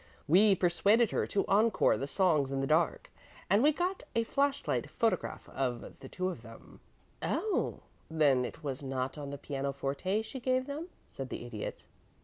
We persuaded her to encore the songs in the dark, and we got a flash light photograph of two of them." "Oh! then it was not on the piano forte she gave them?" said the Idiot.